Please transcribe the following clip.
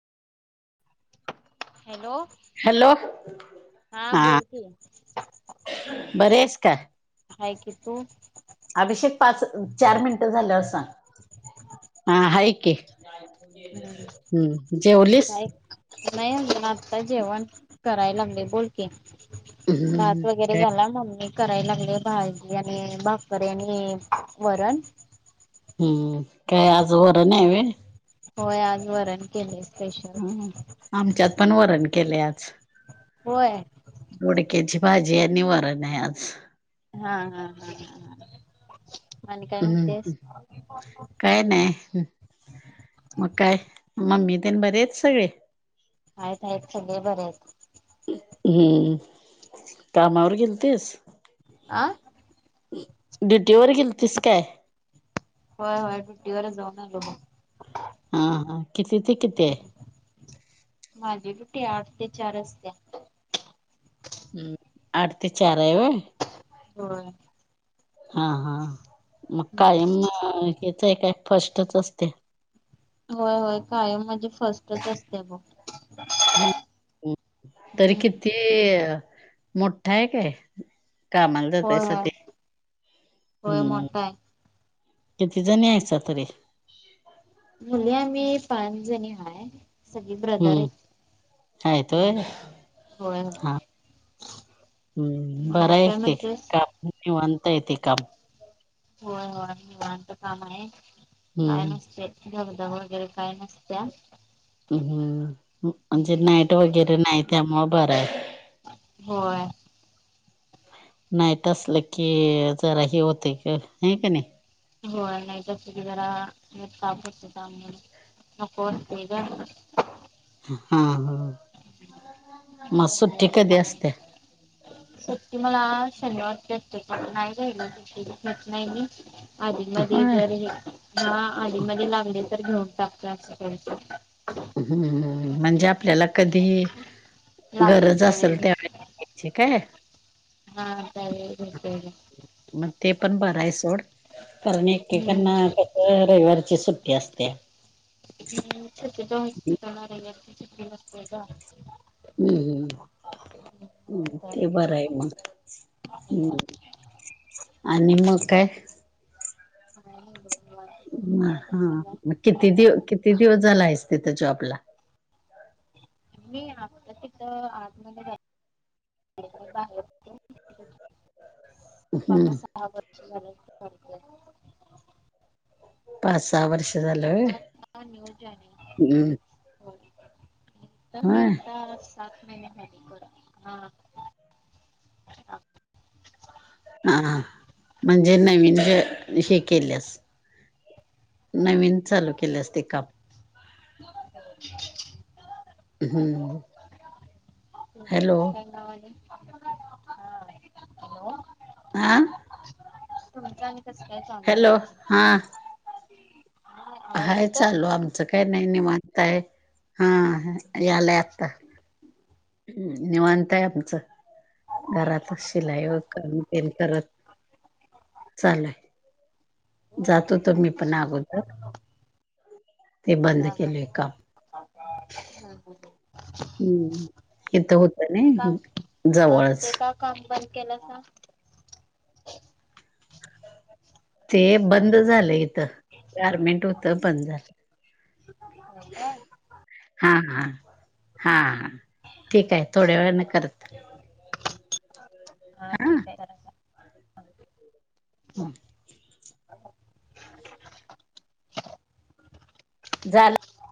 Hello hello हा बोल की बरं आहेस का हाय क तू अभिषेक पाच चार मिनटं झाल्या अस सां हा आहेाक आहे हम्म जे ओलीस नाहीण आता जेवण करायला लागले बोल हम्म भात वगैरे काय झाला मममी करायला लागले भाजी आणि बापर आणि वरण हम्म काय आज बर नाही व होय आजवरर आणि केले स्पेशल ह आमच्यात पण वरण केले आज होय ोडक्याची भाजी आणि निवारण आहे आज हा हा हा ह माण काय हम्म म्हणतेस काय नाही मग काय मम्मी ते बरेच सगळे आयतय चल बरयत हम्म कामावर गेल तेस आं ड्युटी वर गेल तस काय हो हो ट तीवार जाऊ ना ल हा हा किती ते किती आहे? माझी रुटी आठ ते चार असते हम्म अडतीचारयव हो हा हा मग कायम याच आहे काय फस्टच असते होय होय कायम म्हणजे फर्स्टच असते बघ तरी हम्म किती मोठा आहे काय कामाला होय जातस होय ते होय हम्म मोठा आहे किती जणी यायचा तरी बली आम् पाच जणी आहेय हम्म आतोय हम्म होय होय हा हम्म मग बरं आणि आहे काय ते म्हणतेस काम निवता येते काम होय होय मी वाहांत काम आहे काय हम्म नसत दगदा वगैरे काय नसत्या म्म म्हणजे हम्म नाईट वगैरे नाही त्यामु बरं आहे होय नाहीट असलं की जरा हे होते हे का नाही हो नाही जग जरा कापतात आमते हा हा म सुट्टी कधी असते सक्ती मला शनिवार भेटते क नाही रालच नाही मी आधीमध्ये होय जर ह आधीमध्ये लागले तर घेऊन टाकत असं प हम्म म्हणजे आपल्याला कधी लागले गरज त्यावेळी असेल भेट त्यावेयची काय हा री बत आहे मग ते पण बर आहे सोड कारण हम्म एकेकांना रविवारची सुट्टी तस्ते द जाणार त दिवसत जा हम्म हम्् ते बरं आहे मग हम् आणि मग काय हा हा मग मा किती दिव किती दिवस झाला आहे तिथ जॉबला मी आता तथ आम बाहेर पाच हम्म सहा वर्ष [inaudible] पाच सहा वर्ष झालं इथं हम्म हो बम होय आता सात महिने ह कड हा हा हा म्हणजे नवीन ज हे केलेस नवीन चालू केले असते काम नमस्कार नमस्कार हम्म हॅलो त कवा ह हॅलो हा तुमचं आणि कस काय चांगलं आहे हॅलो ना हा. हाय चालू आमचं काय नाही नि म्हनताय हा यालाय आता निवांत आहे आमचं घरातच शिलाई व पन करत चालय जातो तर मी पण अगोदर ते बंद केलय काप ह ह हम्म इथं होत ते ना काम हा जवळच ते का काम बंद केलं असं ते बंद झालं इथं गारमेंट होतं बंद झालं हो काय हा हा हा ठीक आहे थोड्या वेळ न करत हा कटय हम झालं